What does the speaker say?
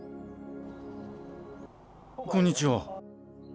こんにちは。